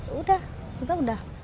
sudah sudah sudah